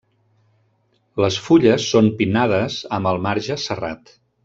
Les fulles són pinnades amb el marge serrat.